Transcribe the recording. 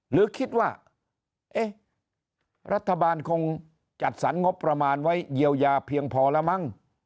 หรือคิดว่าเอ๊ะรัฐบาลคงจัดสรรงบประมาณไว้เยียวยาเพียงพอแล้วมั้ง